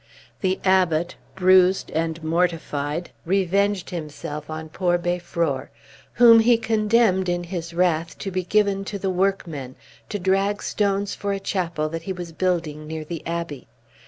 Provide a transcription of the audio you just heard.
The Abbot, bruised and mortified, revenged himself on poor Beiffror, whom he condemned, in his wrath, to be given to the workmen to drag stones for a chapel that he was building near the abbey.